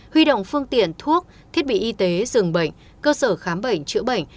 huy động phương tiện thuốc thiết bị y tế dường bệnh cơ sở khám bệnh chữa bệnh